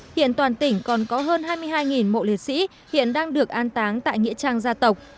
hiện toàn tỉnh còn có hơn hai mươi hai mộ liệt sĩ hiện đang được an táng tại nghĩa trang gia tộc